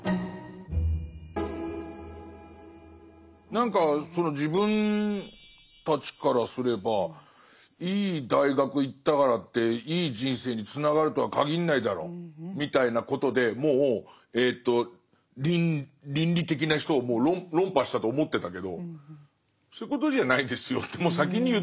何かその自分たちからすればいい大学行ったからっていい人生につながるとは限んないだろみたいなことでもう倫理的な人を論破したと思ってたけどそういうことじゃないですよってもう先に言ってんのね。